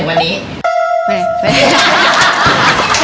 ไม่ได้